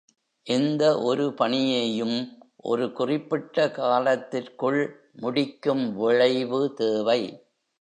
எந்த ஒரு பணியையும் ஒரு குறிப்பிட்ட காலத்திற்குள் முடிக்கும் விழைவு தேவை.